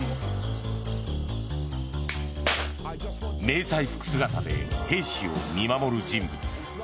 迷彩服姿で兵士を見守る人物。